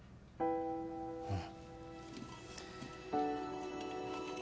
うん。